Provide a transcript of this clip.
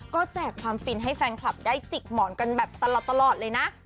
ก็แจกความฟินให้แฟนคลับได้จิกหมอนกันแบบตลอดเลยนะ